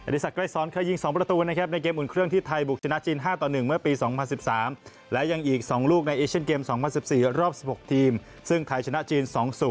สักรายสอนเคยยิง๒ประตูนะครับในเกมอุ่นเครื่องที่ไทยบุกชนะจีน๕ต่อ๑เมื่อปี๒๐๑๓และยังอีก๒ลูกในเอเชียนเกม๒๐๑๔รอบ๑๖ทีมซึ่งไทยชนะจีน๒๐